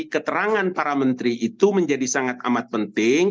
keterangan para menteri itu menjadi sangat amat penting